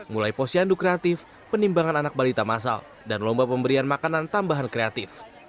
mulai posyandu kreatif penimbangan anak balita masal dan lomba pemberian makanan tambahan kreatif